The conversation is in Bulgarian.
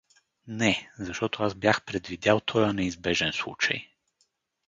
— Не, защото аз бях предвидял тоя неизбежен случай.